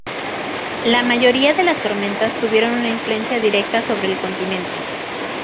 La mayoría de las tormentas tuvieron una influencia directa sobre el continente.